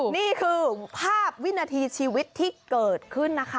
นี่คือภาพวินาทีชีวิตที่เกิดขึ้นนะคะ